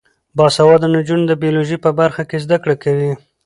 باسواده نجونې د بیولوژي په برخه کې زده کړې کوي.